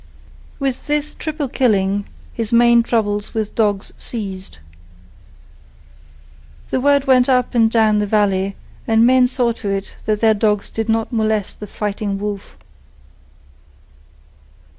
With this triple killing his main troubles with dogs ceased. The word went up and down the valley, and men saw to it that their dogs did not molest the Fighting Wolf.